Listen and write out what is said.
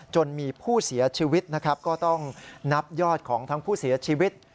จนมีผู้เสียชีวิตนะครับก็ต้องนับยอดของทั้งผู้เสียชีวิต